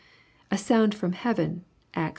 "A sound from heaven," Acts ii.